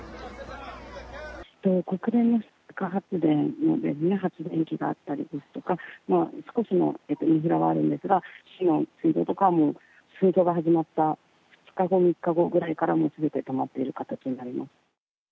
国連の自家発電、発電機があったりですとか、少しのインフラはあるんですが、市の水道とかも、紛争が始まった２日後、３日後ぐらいから、もうすべて止まっている形になります。